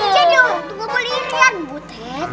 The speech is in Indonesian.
jadi untuk gue kelirian butet